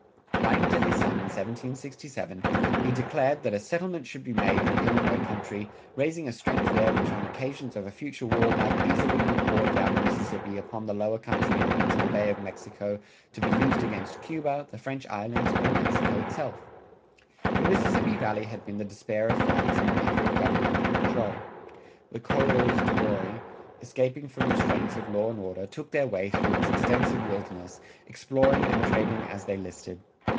Writing to his son in 1767 he declared that a "settlement should be made in the Illinois country ... raising a strength there which on occasions of a future war might easily be poured down the Mississippi upon the lower country and into the Bay of Mexico to be used against Cuba, the French Islands, or Mexico itself."[182:1] The Mississippi Valley had been the despair of France in the matter of governmental control. The coureurs de bois escaping from restraints of law and order took their way through its extensive wilderness, exploring and trading as they listed.